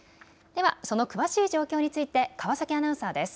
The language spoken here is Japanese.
ではその詳しい状況について川崎アナウンサーです。